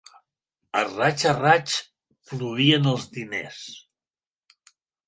A raig a raig plovien els diners.